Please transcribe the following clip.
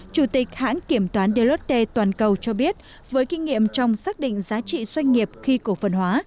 chủ tịch hãng kiểm toán del toàn cầu cho biết với kinh nghiệm trong xác định giá trị doanh nghiệp khi cổ phần hóa